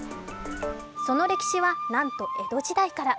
その歴史はなんと江戸時代から。